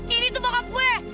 ini tuh bokap gue